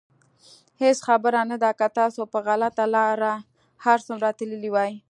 هېڅ خبره نه ده که تاسو په غلطه لاره هر څومره تللي وئ.